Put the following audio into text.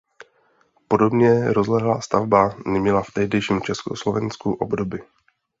Podobně rozlehlá stavba neměla v tehdejším Československu obdoby.